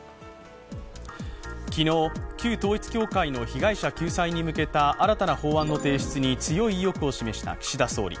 昨日、旧統一教会の被害者救済に向けた新たな法案の提出に強い意欲を示した岸田総理。